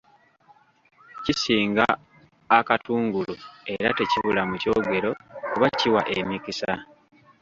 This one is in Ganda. Kisinga akatungulu era tekibula mu kyogero kuba kiwa emikisa.